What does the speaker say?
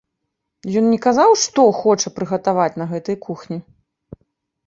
Ён не казаў што хоча прыгатаваць на гэтай кухні?